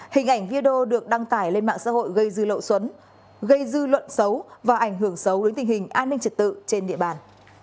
hình ảnh video được đăng tải lên mạng xã hội gây dư lộ xuấn gây dư luận xấu và ảnh hưởng xấu đến tình hình an ninh trật tự trên địa bàn